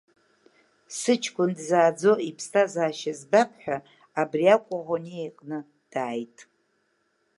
Сыҷкәын дзааӡо иԥсҭазаашьа збап ҳәа абри Акәаӷәаниа иҟны дааит.